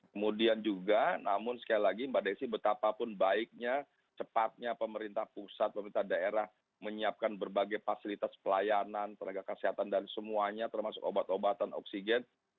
kemudian juga namun sekali lagi mbak desi betapapun baiknya cepatnya pemerintah pusat pemerintah daerah menyiapkan berbagai fasilitas pelayanan tenaga kesehatan dan semuanya termasuk obat obatan oksigen